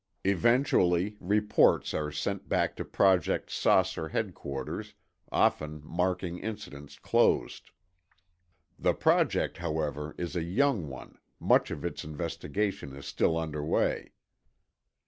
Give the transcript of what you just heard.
Eventually, reports are sent back to Project "Saucer" headquarters, often marking incidents closed. The project, however, is a young one much of its investigation is still under way.